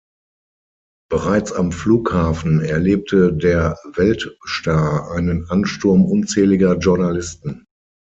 Bereits am Flughafen erlebte der „Weltstar“ einen Ansturm unzähliger Journalisten.